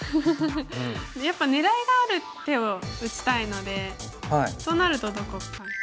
やっぱ狙いがある手を打ちたいのでとなるとどこかっていう。